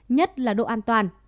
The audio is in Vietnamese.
nhất là độ an toàn